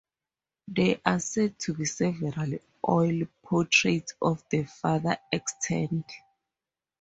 There are said to be several oil portraits of the father extant.